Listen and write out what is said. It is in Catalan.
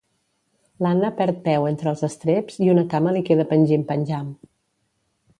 L'Anna perd peu entre els estreps i una cama li queda pengim-penjam.